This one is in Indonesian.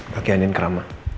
kakek andi yang krama